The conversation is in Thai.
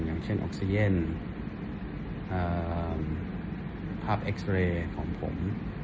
อย่างเช่นออกซีเย็นภาพเอ็กซ์เรย์ของผม